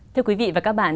thưa quý vị và các bạn